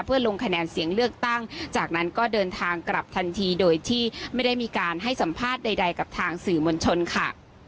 เพื่อลงคะแนนเสียงเลือกตั้งจากนั้นก็เดินทางกลับทันทีโดยที่ไม่ได้มีการให้สัมภาษณ์ใดกับทางสื่อมวลชนค่ะ